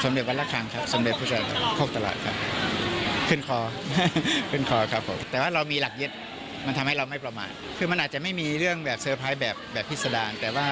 สมเด็จวัดระคังสมเด็จพฤษฐาคกตราตขึ้นคอแต่ว่าเรามีหลักเย็นมันทำให้เราไม่ประมาณคือมันอาจจะไม่มีเรื่องแบบเซอร์ไพร์แบบพิจฎาณ